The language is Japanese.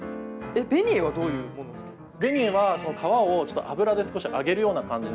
ベニエは皮を油で少し揚げるような感じになるんですけど。